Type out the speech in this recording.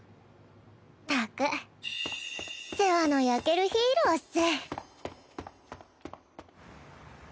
ったく世話の焼けるヒーローっス。